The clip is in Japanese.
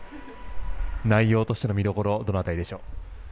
内容としての見どころどの辺りでしょう。